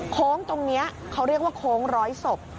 โค้งตรงนี้เขาเรียกว่าโค้งร้อยศพ